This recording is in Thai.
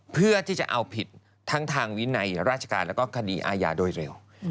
เพื่อที่จะเอาผิดทั้งทางวินัยราชการแล้วก็คดีอาญาโดยเร็ว